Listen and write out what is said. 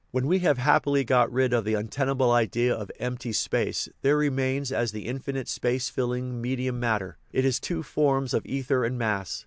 When we have happily got rid of the untenable idea of "empty space," there remains as the infinite "space filling " medium matter, in its two forms of ether and mass.